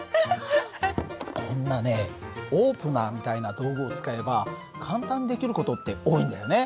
こんなねオープナーみたいな道具を使えば簡単にできる事って多いんだよね。